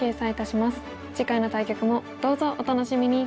次回の対局もどうぞお楽しみに！